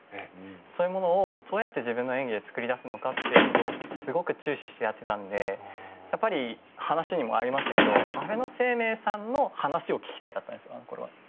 そういうものをどうやって自分の演技で作り出すかというのをすごく注視してやってたのでやっぱり、話にもありましたけど安倍晴明さんの話を聞きたかったんですよ。